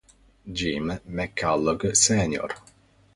Jim McCullough Sr.